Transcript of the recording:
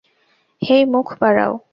হেই, মুখ বাড়াও।